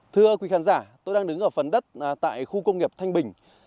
thưa quý khán giả tôi đang đứng ở phần đất tại khu công nghiệp thanh bình